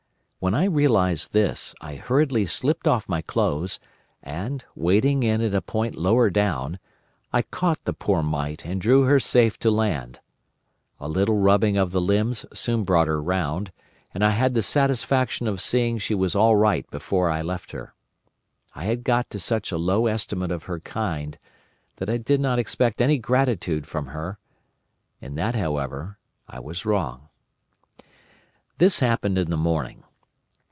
When I realised this, I hurriedly slipped off my clothes, and, wading in at a point lower down, I caught the poor mite and drew her safe to land. A little rubbing of the limbs soon brought her round, and I had the satisfaction of seeing she was all right before I left her. I had got to such a low estimate of her kind that I did not expect any gratitude from her. In that, however, I was wrong. "This happened in the morning.